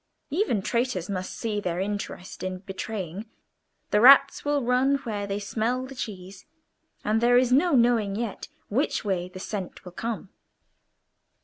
Even traitors must see their interest in betraying; the rats will run where they smell the cheese, and there is no knowing yet which way the scent will come."